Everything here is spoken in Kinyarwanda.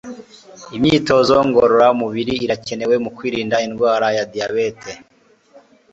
Imyitozo ngororamubiri irakenewe mu kwirinda indwara ya diyabete